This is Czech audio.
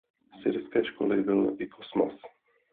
Syrské školy byl i Kosmas.